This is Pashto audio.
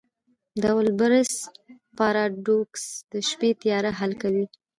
د اولبرس پاراډوکس د شپې تیاره حل کوي.